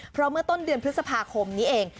เพราะเมื่อต้นเดือนพฤษภาคมนี้เอง